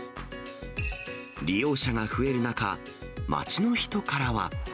利用者が増える中、街の人からは。